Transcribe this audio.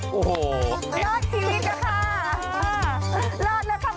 รอดชีวิตล่ะค่ะ